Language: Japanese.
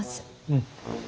うん。